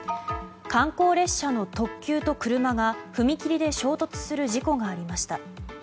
観光列車の特急と車が踏切で衝突する事故がありました。